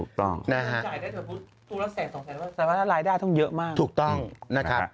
ถูกต้องพูดแล้วแสดงว่ารายได้ต้องเยอะมากถูกต้องนะครับ